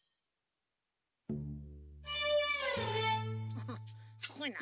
ハハッすごいな。